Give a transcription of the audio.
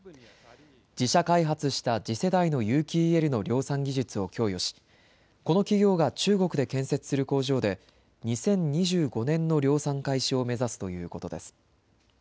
自社開発した次世代の有機ＥＬの量産技術を供与し、この企業が中国で建設する工場で２０２５年の量産開始を目指すということです。